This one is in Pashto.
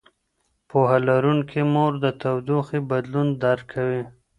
پوهه لرونکې مور د تودوخې بدلون درک کوي.